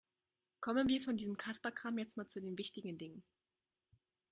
Kommen wir von diesem Kasperkram jetzt mal zu den wichtigen Dingen.